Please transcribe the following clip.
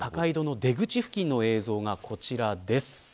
高井戸出口付近の映像がこちらです。